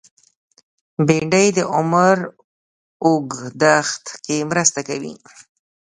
بېنډۍ د عمر اوږدښت کې مرسته کوي